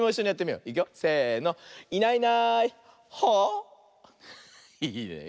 いいね。